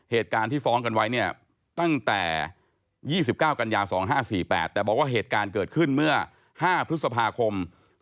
เหตุการณ์ที่ฟ้องกันไว้เนี่ยตั้งแต่๒๙กันยา๒๕๔๘แต่บอกว่าเหตุการณ์เกิดขึ้นเมื่อ๕พฤษภาคม๒๕๖